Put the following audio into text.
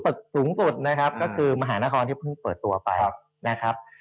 สูงสุดนะครับก็คือมหานครที่เพิ่งเปิดตัวไปนะครับ